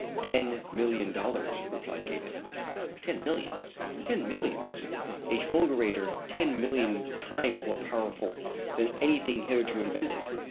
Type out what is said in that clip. "Ten million dollars," replied Gaydon. "Ten millions! Ten millions! A fulgurator ten million times more powerful than anything hitherto invented!